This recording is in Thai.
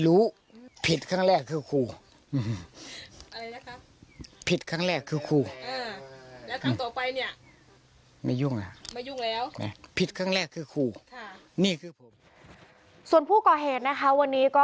และเป็นคนหวังดี